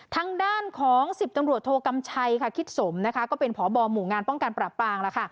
ทางด้านของ๑๐ตำรวจโทกรรมชัยคิดสมก็เป็นผบหมู่งานป้องการปรับปาง